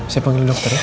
saya panggil dokter ya